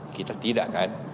kita tidak kan